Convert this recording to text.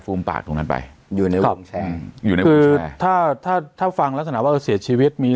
ฟูมปากของนั้นไปอยู่ในวงแชร์ถ้าถ้าถ้าฟังลักษณะว่าเสียชีวิตมี